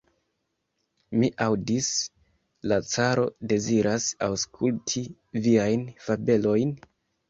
Mi aŭdis, la caro deziras aŭskulti viajn fabelojn?